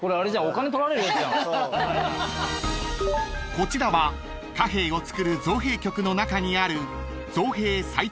［こちらは貨幣を造る造幣局の中にある］